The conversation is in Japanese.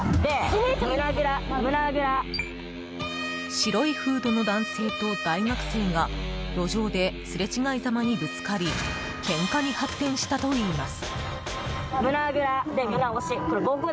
白いフードの男性と大学生が路上ですれ違いざまにぶつかりけんかに発展したといいます。